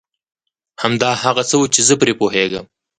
همدا هغه څه و چي زه پرې پوهېږم.